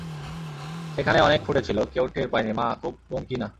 সেখানে অনেক ফুটেছিল, কেউ টের পায়নি, মা, খুব বন কি না?